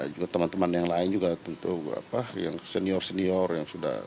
juga teman teman yang lain juga tentu yang senior senior yang sudah